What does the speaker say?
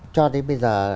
cho đến bây giờ